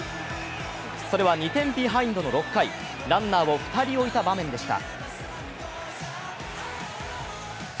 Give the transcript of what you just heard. それは２点ビハインドの６回ランナーを２人置いた場面でした。